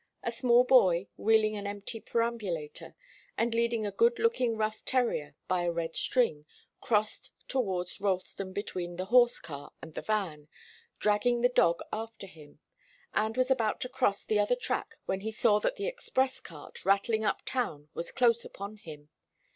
A small boy, wheeling an empty perambulator and leading a good looking rough terrier by a red string, crossed towards Ralston between the horse car and the van, dragging the dog after him, and was about to cross the other track when he saw that the express cart rattling up town was close upon him.